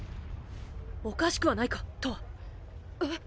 おかしくはないかとわ？